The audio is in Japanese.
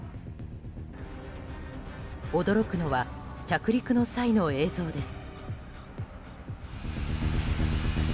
驚くのは着陸の際の映像です。